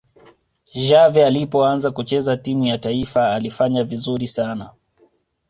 xavi alipoanza kucheza timu ya taifa alifanya vizuri sana